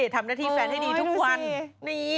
ทำหน้าที่แฟนให้ดีทุกวันนี้